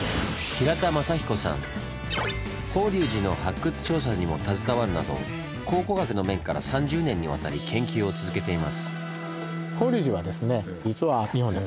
法隆寺の発掘調査にも携わるなど考古学の面から３０年にわたり研究を続けています。